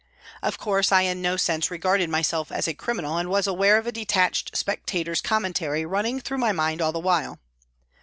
Of course I in no sense regarded myself as a criminal, and was aware of a detached spectator's commentary running through my mind all the while.